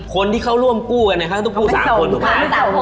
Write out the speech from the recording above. คนที่เขาร่วมกู้กันเนี่ยเขาก็ต้องกู้๓คนถูกไหม